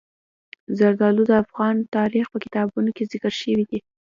زردالو د افغان تاریخ په کتابونو کې ذکر شوی دي.